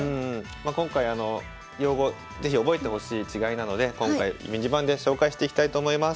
今回用語是非覚えてほしい違いなので今回ミニ盤で紹介していきたいと思います。